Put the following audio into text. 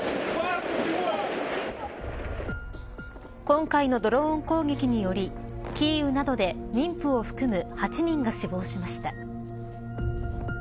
今回のドローン攻撃によりキーウなどで妊婦を含む８人が死亡しました。